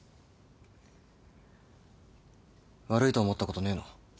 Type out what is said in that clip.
悪いと思ったことねえの？